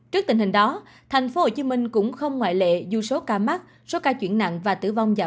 trước tình hình đó tp hcm cũng không ngoại lệ dù số ca mắc số ca chuyển nặng